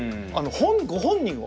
ご本人を。